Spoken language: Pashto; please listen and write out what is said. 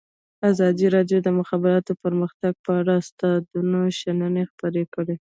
ازادي راډیو د د مخابراتو پرمختګ په اړه د استادانو شننې خپرې کړي.